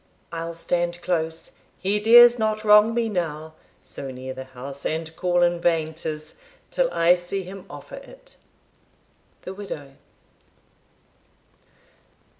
I'll stand close, He dares not wrong me now, so near the house, And call in vain 'tis, till I see him offer it. The Widow.